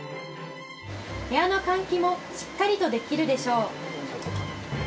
部屋の換気もしっかりとできるでしょう。